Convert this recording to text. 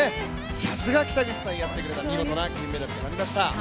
さすが北口さんやってくれた見事な金メダルとなりました。